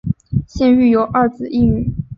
现育有二子一女。